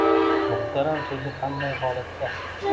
Muhtaram so‘zi qanday holatda?